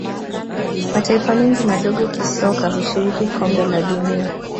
mataifa mengi madogo kisoka hushiriki kombe la dunia